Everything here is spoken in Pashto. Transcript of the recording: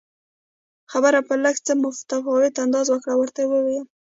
خبره په لږ څه متفاوت انداز وکړه او ورته ویې ویل